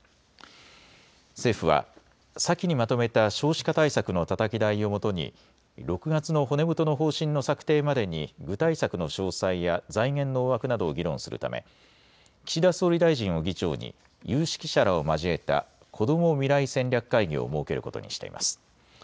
政府は先にまとめた少子化対策のたたき台をもとに６月の骨太の方針の策定までに具体策の詳細や財源の大枠などを議論するため岸田総理大臣を議長に有識者らを交えた、こども未来戦略会議を設けることにしています。